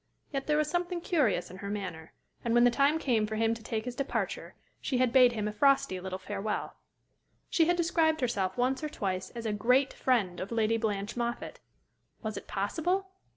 Yet there was something curious in her manner, and when the time came for him to take his departure she had bade him a frosty little farewell. She had described herself once or twice as a great friend of Lady Blanche Moffatt. Was it possible?